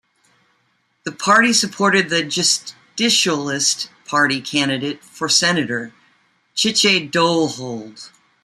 The Party supported the Justicialist Party candidate for Senator, Chiche Duhalde.